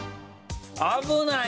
危ない。